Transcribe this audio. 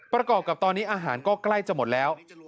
ประกอบกับตอนนี้อาหารก็ใกล้จะหมดแล้ว